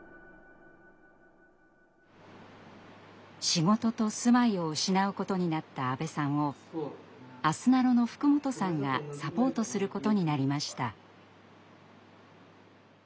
仕事と住まいを失うことになった阿部さんをあすなろの福本さんがサポートすることになりました。